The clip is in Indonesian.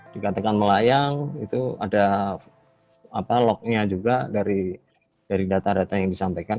dikatakan melayang itu ada lognya juga dari data data yang disampaikan